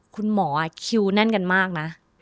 คุณหมอคิวแน่นกันมากนะ